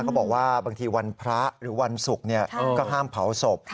เขาบอกว่าบางทีวันพระหรือวันศุกร์ก็ห้ามเผาศพ